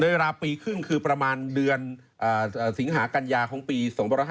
เวลาปีครึ่งคือประมาณเดือนสิงหากัญญาของปี๒๕๕๙